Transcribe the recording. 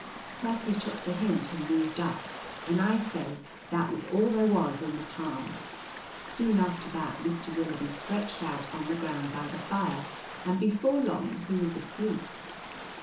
Percy took the hint and moved up, and I said that was all there was in the palm. Soon after that Mr. Willoughby stretched out on the ground by the fire, and before long he was asleep.